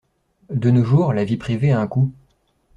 De nos jours, la vie privée à un coût.